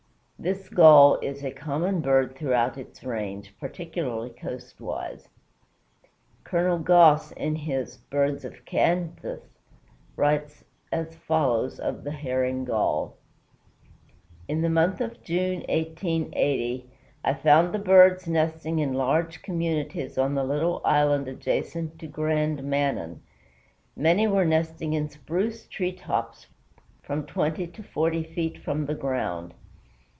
This Gull is a common bird throughout its range, particularly coast wise. Col. Goss in his "Birds of Kansas," writes as follows of the Herring Gull: "In the month of June, 1880, I found the birds nesting in large communities on the little island adjacent to Grand Manan; many were nesting in spruce tree tops from twenty to forty feet from the ground.